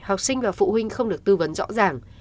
học sinh và phụ huynh không được tư vấn rõ ràng